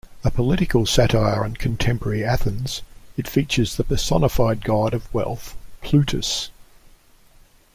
A political satire on contemporary Athens, it features the personified god of wealth Plutus.